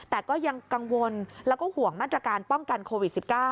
แต่ก็ยังกังวลแล้วก็ห่วงมาตรการป้องกันโควิด๑๙